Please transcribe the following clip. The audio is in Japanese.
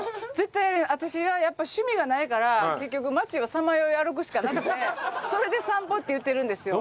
私はやっぱ趣味がないから結局街をさまよい歩くしかなくてそれで散歩って言ってるんですよ。